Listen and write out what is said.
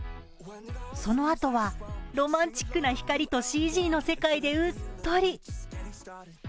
そのあとはロマンチックな光とＣＧの世界でうっとり。